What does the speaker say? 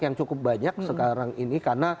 yang cukup banyak sekarang ini karena